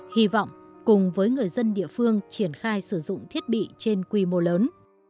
hy vọng cùng với người dân địa phương triển khai sử dụng thiết bị trên quy mô lớn